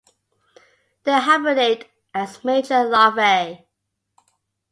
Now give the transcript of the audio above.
They hibernate as mature larvae.